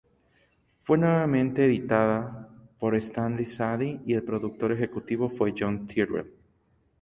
Fue nuevamente editada por Stanley Sadie, y el productor ejecutivo fue John Tyrrell.